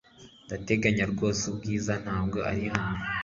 Ndatangaye rwose Bwiza ntabwo ari hano .